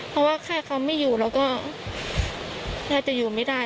เพราะว่าถ้าเขาไม่อยู่เราก็น่าจะอยู่ไม่ได้